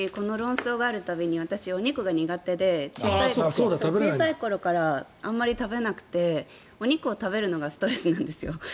私この論争がある度に私、お肉が苦手で小さい頃から食べなくてお肉を食べることがストレスなんです。